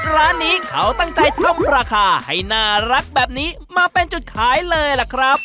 ร้านนี้เขาตั้งใจทำราคาให้น่ารักแบบนี้มาเป็นจุดขายเลยล่ะครับ